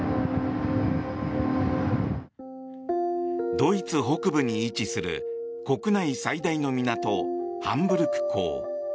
ドイツ北部に位置する国内最大の港、ハンブルク港。